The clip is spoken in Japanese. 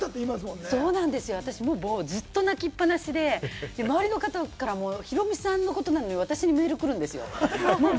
私、もうずっと泣きっぱなしで、周りの方からもヒロミさんのことなのに、私にメール来るんですよ。